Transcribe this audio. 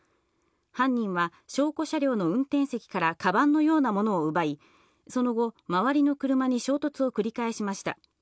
犯人は証拠車両の運転席からカバンのようなものを奪い、その後、周りの車に衝突を繰り返しました。